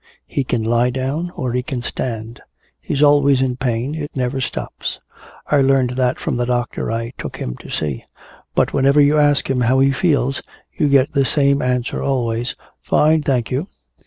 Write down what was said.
He can lie down or he can stand. He's always in pain, it never stops. I learned that from the doctor I took him to see. But whenever you ask him how he feels you get the same answer always: 'Fine, thank you.'